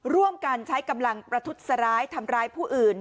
ร่วมกันใช้กำลังประทุษร้ายทำร้ายผู้อื่น